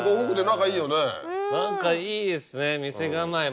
何かいいですね店構えも。